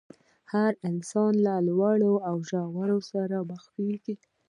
هر انسان له لوړو ژورو سره مخ کېږي.